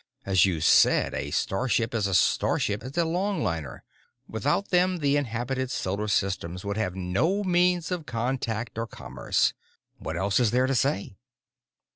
As you said, a starship is a starship is a longliner. Without them the inhabited solar systems would have no means of contact or commerce. What else is there to say?"